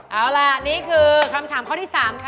เอาล่ะนี่คือคำถามข้อที่๓ค่ะ